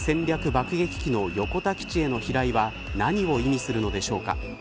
爆撃機の横田基地への飛来は何を意味するのでしょうか。